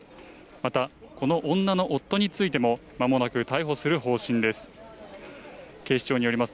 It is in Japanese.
またこの女の夫についても間もなく逮捕する方針です。